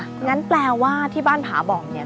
อย่างนั้นแปลว่าที่บ้านผาบอ่อง